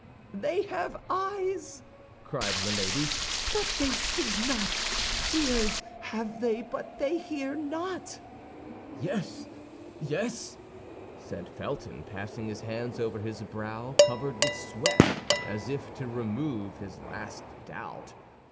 "They have eyes," cried Milady, "but they see not; ears have they, but they hear not." "Yes, yes!" said Felton, passing his hands over his brow, covered with sweat, as if to remove his last doubt.